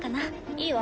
いいわ。